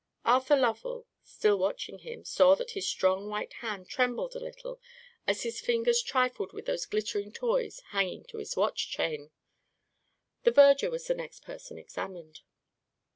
Arthur Lovell, still watching him, saw that his strong white hand trembled a little as his fingers trifled with those glittering toys hanging to his watch chain. The verger was the next person examined.